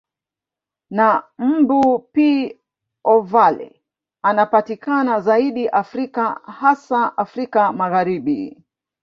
Na mbu P ovale anapatikana zaidi Afrika hasa Afrika Magharibi